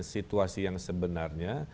situasi yang sebenarnya